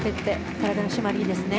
体の締まりいいですね。